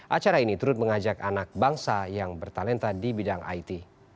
acara ini turut mengajak anak bangsa yang bertalenta di bidang it